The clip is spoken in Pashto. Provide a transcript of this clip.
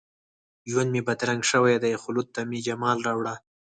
ژوند مي بدرنګ شوی دي، خلوت ته مي جمال راوړه